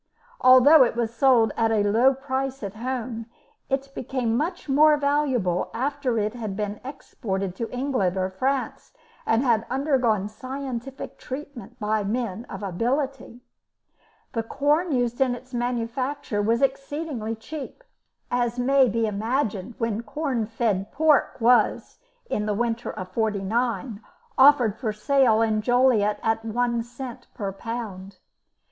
Although it was sold at a low price at home, it became much more valuable after it had been exported to England or France, and had undergone scientific treatment by men of ability. The corn used in its manufacture was exceedingly cheap, as may be imagined when corn fed pork was, in the winter of '49, offered for sale in Joliet at one cent per pound.